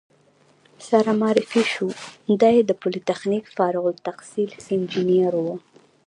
سره معرفي شوو، دی د پولتخنیک فارغ التحصیل انجینر و.